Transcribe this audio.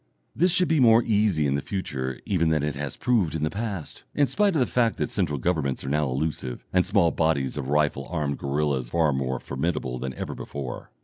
This should be more easy in the future even than it has proved in the past, in spite of the fact that central governments are now elusive, and small bodies of rifle armed guerillas far more formidable than ever before.